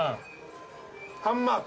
ハンマート。